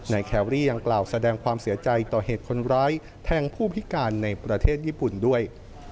แครรี่ยังกล่าวแสดงความเสียใจต่อเหตุคนร้ายแทงผู้พิการในประเทศญี่ปุ่นด้วย